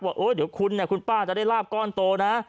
โอ๊ยเดี๋ยวคุณคุณป้าจะได้ลาบก้อนโตนะ